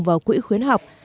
vào quỹ khuyến học